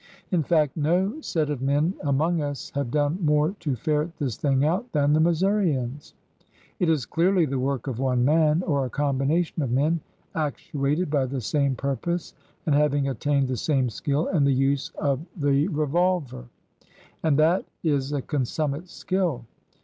In fact, no set of men among us have done more to ferret this thing out than the Missourians. It is clearly the work of one man, or a combination of men actuated by the same purpose and having attained the same skill in the use of the re 8 ORDER NO. 11 114 volver, and that is a consummate skill!